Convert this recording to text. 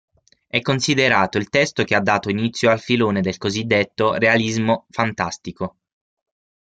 È considerato il testo che ha dato inizio al filone del cosiddetto realismo fantastico.